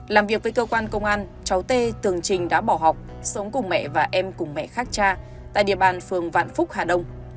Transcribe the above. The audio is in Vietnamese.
làm việc với cơ quan công an cháu tê tưởng trình đã bỏ học sống cùng mẹ và em cùng mẹ khác cha tại địa bàn phường vạn phúc hà đông